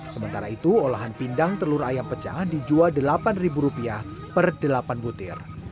sementara itu olahan pindang telur ayam pecah dijual rp delapan per delapan butir